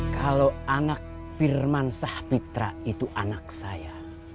kalau anak firman sahpitra itu anak saya